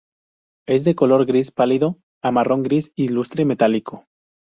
Es de color gris pálido a marrón gris, y lustre metálico.